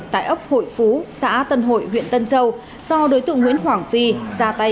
tại ấp hội phú xã tân hội huyện tân châu do đối tượng nguyễn hoàng phi ra tay